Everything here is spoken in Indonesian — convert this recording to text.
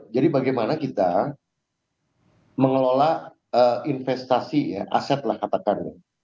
jadi bagaimana kita mengelola investasi ya aset lah katakan ya